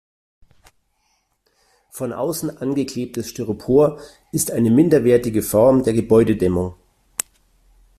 Von außen angeklebtes Styropor ist eine minderwertige Form der Gebäudedämmung.